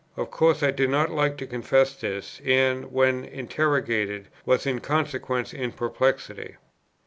Of course I did not like to confess this; and, when interrogated, was in consequence in perplexity.